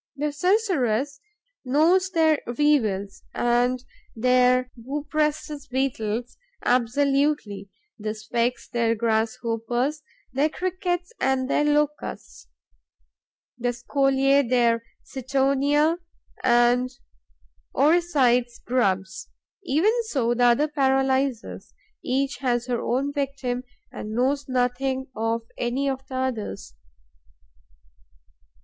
The Cerceres know their Weevils and their Buprestis beetles absolutely; the Sphex their Grasshoppers, their Crickets and their Locusts; the Scoliae their Cetonia and Oryctes grubs. Even so the other paralyzers. Each has her own victim and knows nothing of any of the others.